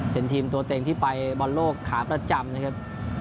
เป็นทีมตัวเต็งที่ไปบอลโลกขาประจำนะครับ